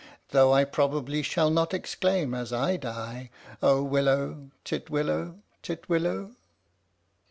Though I probably shall not exclaim as I die " Oh willow, titwillow, titwillow!